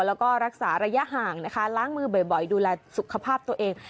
แล้วก็รักษาระยะห่างนะคะล้างมือบ่อยดูแลสุขภาพตัวเอง